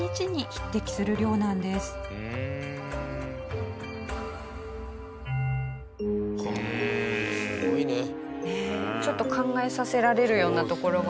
ちょっと考えさせられるようなところが多かったですね。